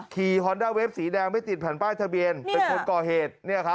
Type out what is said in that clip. ขี่ฮอนดาเวฟสีแดงไม่ติดผ่านป้ายทะเบียนเป็นคนก่อเหตุเนี่ยครับ